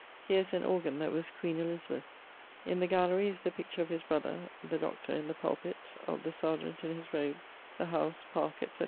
Here is an organ that was queen Elizabeth's. In the gallery the picture of his brother ( Doctor) in the pulpit, serjeant in his robes, the howse, parke, etc.